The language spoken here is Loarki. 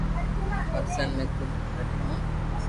پاڪستان مي ڪجھ گھٽ ھون